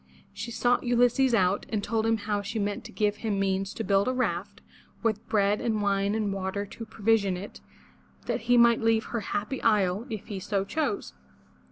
She sought Ulysses out and told him how she meant to give him means to build a raft, with bread and wine and water to provision it, that he might leave her happy isle, if so he chose.